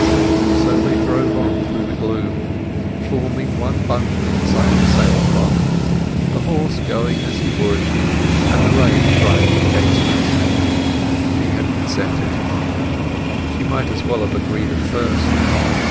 So they drove on through the gloom, forming one bundle inside the sail cloth, the horse going as he would, and the rain driving against them. She had consented. She might as well have agreed at first.